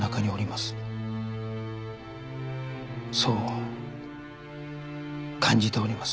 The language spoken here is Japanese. そう感じております。